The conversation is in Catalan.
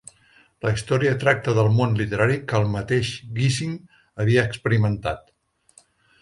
La història tracta del món literari que el mateix Gissing havia experimentat.